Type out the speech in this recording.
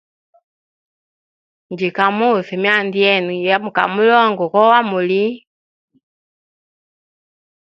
Njkwete muswa ye myanda yemu ya muka mulonga koo wamuli.